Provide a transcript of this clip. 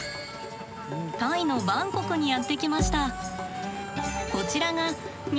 タイのバンコクにやって来ました。